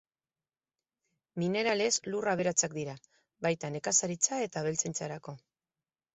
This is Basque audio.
Mineralez lur aberatsak dira, baita nekazaritza eta abeltzaintzarako.